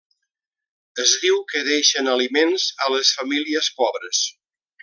Es diu que deixen aliments a les famílies pobres.